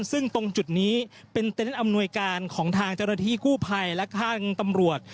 ซึ่งตรงจุดนี้เป็นเต็นต์อำนวยการของทางเจ้าหน้าที่กู้ภัยและทางตำรวจ